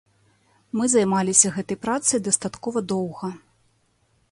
Мы займаліся гэтай працай дастаткова доўга.